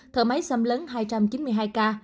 thở máy xâm lấn hai trăm chín mươi hai ca